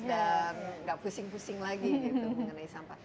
dan gak pusing pusing lagi gitu mengenai sampah